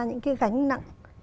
những cái gánh nặng